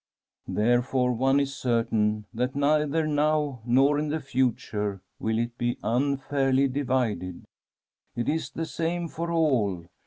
Therefore one is certain that neither now nor in the future will it be unfairly divided. It is the same for all.